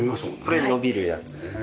これ伸びるやつです